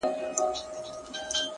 دا شی په گلونو کي راونغاړه ـ